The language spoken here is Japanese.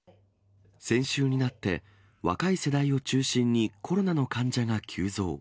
先週になって、若い世代を中心にコロナの患者が急増。